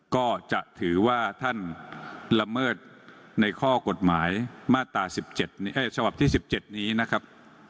ก็จะถือว่าท่านละเมิดในข้อกฎหมายมาตราสิบเจ็ดเอ้ยสวัสดีสิบเจ็ดนี้นะครับ